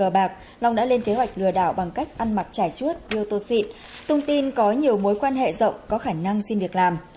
bằng cách ăn mặc trải chuốt đưa tô xịn tung tin có nhiều mối quan hệ rộng có khả năng xin việc làm